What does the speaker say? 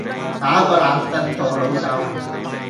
打個冷震做老豆